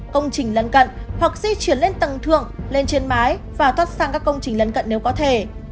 công trình lân cận hoặc di chuyển lên tầng thượng lên trên mái và thoát sang các công trình lân cận nếu có thể